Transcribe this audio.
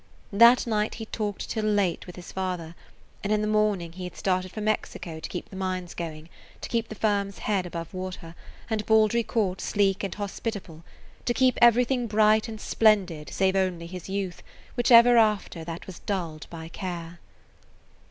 That night he talked till late with his father, and in the morning he had started for Mexico to keep the mines going, to keep the firm's head above water and Baldry Court sleek and hospitable–to keep everything bright and splendid save only his youth, which ever after that was dulled by care.